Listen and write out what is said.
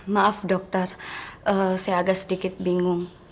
maaf dokter saya agak sedikit bingung